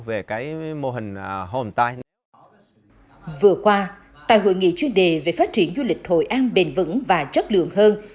vừa qua tại hội nghị chuyên đề về phát triển du lịch hội an bền vững và chất lượng hơn